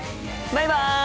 バイバイ。